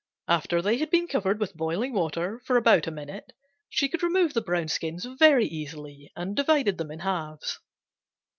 After they had been covered with boiling water for about a minute she could remove the brown skins very easily and divided them in halves.